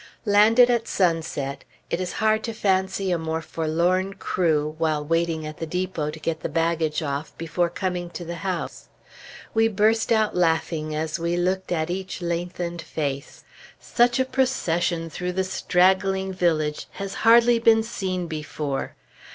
Landed at sunset, it is hard to fancy a more forlorn crew, while waiting at the depot to get the baggage off before coming to the house. We burst out laughing as we looked at each lengthened face. Such a procession through the straggling village has hardly been seen before.